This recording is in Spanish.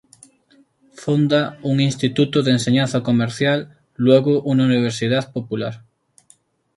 Funda un instituto de enseñanza comercial, luego una universidad popular.